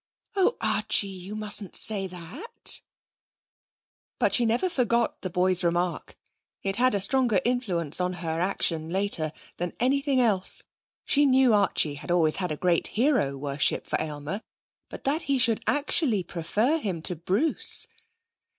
'Oh, Archie! You mustn't say that.' But she never forgot the boy's remark. It had a stronger influence on her action later than anything else. She knew Archie had always had a great hero worship for Aylmer. But that he should actually prefer him to Bruce!